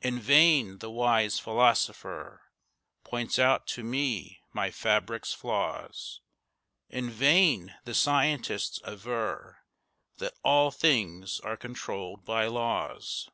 In vain the wise philosopher Points out to me my fabric's flaws, In vain the scientists aver That "all things are controlled by laws."